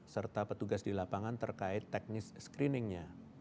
serta petugas di lapangan terkait teknis screeningnya